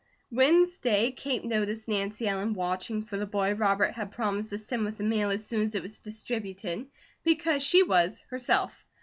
Wednesday Kate noticed Nancy Ellen watching for the boy Robert had promised to send with the mail as soon as it was distributed, because she was, herself.